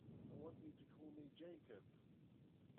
I want you to call me Jacob.